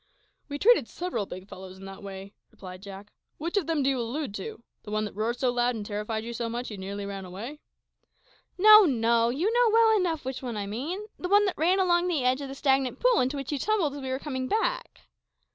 "We treated several big fellows in that way," replied Jack; "which of them do you allude to? the one that roared so loud and terrified you so much that you nearly ran away?" "No, no; you know well enough which one I mean. The one that ran along the edge of the stagnant pool into which you tumbled as we were coming back."